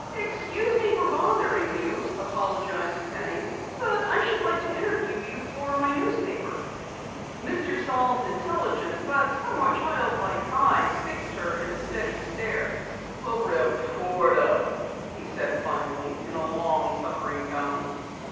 "Excuse me for bothering you," apologized Penny, "but I should like to interview you for my newspaper." Mr. Saal's intelligent but somewhat child like eyes fixed her in a steady stare. "A reporter," he said finally in a long suffering tone.